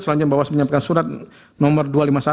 selanjutnya bawas menyampaikan surat nomor dua ratus lima puluh satu